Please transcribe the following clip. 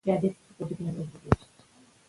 موږ پرون په ښوونځي کې د کلتور په اړه نندارتون درلود.